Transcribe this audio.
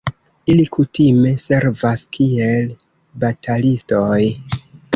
Ili kutime servas kiel batalistoj.